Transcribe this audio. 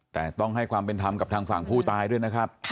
แต่ต้องให้ความเป็นธรรมกับทางฝั่งผู้ตายด้วยนะครับ